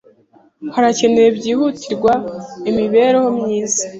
Harakenewe byihutirwa imibereho myiza.